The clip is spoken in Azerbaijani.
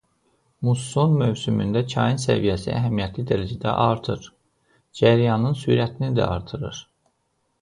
Musson mövsümündə çayın səviyyəsi əhəmiyyətli dərəcədə artır; cərəyanın sürətini də artırır.